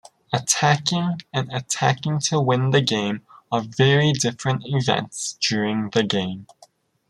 Attacking and attacking to win the game are very different events during the game.